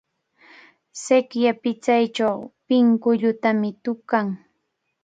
Sikya pichaychaw pinkullutami tukan.